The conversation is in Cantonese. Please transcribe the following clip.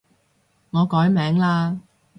我改名嘞